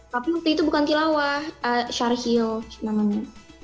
tapi waktu itu bukan tilawah syaril namanya